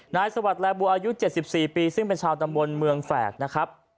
นายสวัสดิ์และปูอายุเจ็ดสิบสี่ปีซึ่งเป็นชาวดำวนเมืองแฝกนะครับ